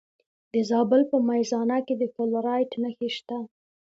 د زابل په میزانه کې د فلورایټ نښې شته.